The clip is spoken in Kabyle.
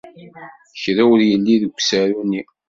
Kra ur yelli deg usaru-nni.